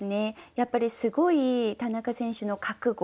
やっぱりすごい田中選手の覚悟